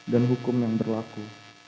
dan hukum yang berlaku